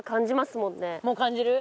もう感じる？